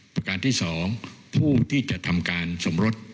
ประการที่๒ผู้ที่จะทำการสมรส